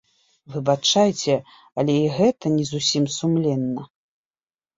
Выбачайце, але і гэта не зусім сумленна.